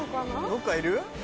どっかいる？